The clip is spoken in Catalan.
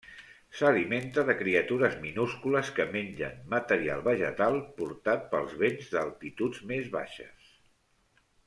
S'alimenta de criatures minúscules que mengen material vegetal portat pel vent d'altituds més baixes.